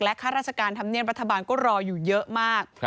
ข้าราชการธรรมเนียบรัฐบาลก็รออยู่เยอะมาก